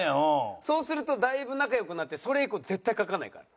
そうするとだいぶ仲良くなってそれ以降絶対書かないから。